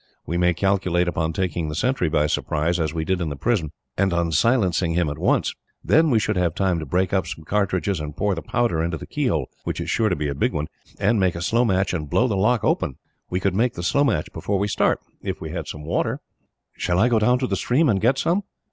We may calculate upon taking the sentry by surprise, as we did in the prison, and on silencing him at once; then we should have time to break up some cartridges, and pour the powder into the keyhole, which is sure to be a big one, make a slow match, and blow the lock open. We could make the slow match before we start, if we had some water." "Shall I go down to the stream, and get some?"